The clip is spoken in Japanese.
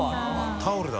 タオルだ。